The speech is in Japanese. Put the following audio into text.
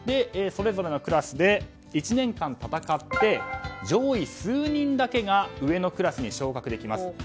それぞれのクラスで１年間戦って、上位数人だけが上のクラスに昇格できます。